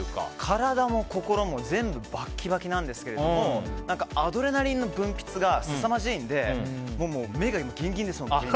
体も心も全部バッキバキなんですけどアドレナリンの分泌がすさまじいので今もそう？